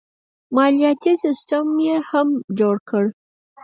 مالیاتي سیستم یې هم جوړ کړ.